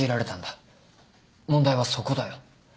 問題はそこだよ。